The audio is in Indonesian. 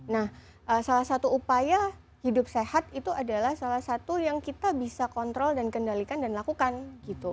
nah salah satu upaya hidup sehat itu adalah salah satu yang kita bisa kontrol dan kendalikan dan lakukan gitu